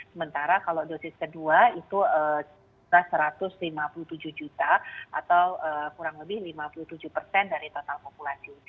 sementara kalau dosis kedua itu satu ratus lima puluh tujuh juta atau kurang lebih lima puluh tujuh persen dari total populasi